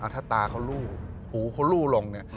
ถ้าตาเขาลู่หูเขาลู่ลงเนี่ย